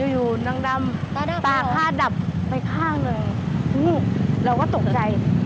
อยู่น้องดำตาข้าดับไปข้างหนึ่งงุ่งแล้วก็ตกใจ